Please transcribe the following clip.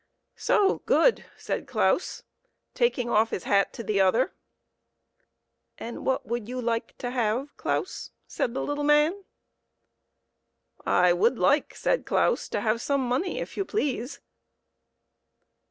" So, good !" said Claus, taking off his hat to the other. " And what would you like to have, Claus ?" said the little man. "I would like," said Claus, "to have some money, if you please."